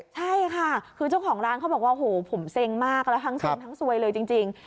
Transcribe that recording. ใช่ค่ะคือเจ้าของร้านเขาบอกว่าโหผมเซ็งมากแล้วทั้งเซ็งทั้งซวยเลยจริง